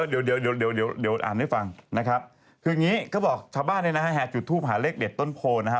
คืออย่างนี้ก็บอกชาวบ้านเนี่ยนะฮะแหดจุดทูบหาเลขเด็ดต้นโพลนะฮะ